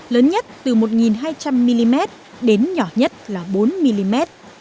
lớn nhất từ một hai trăm linh mm đến nhỏ nhất là bốn mm